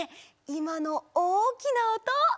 いまのおおきなおと。